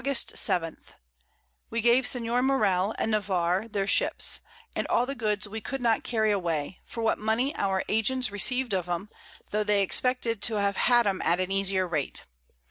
7._ We gave Sen. Morell and Navarre their Ships, and all the Goods we could not carry away, for what Money our Agents receiv'd of 'em, tho' they expected to have had 'em at an easier Rate.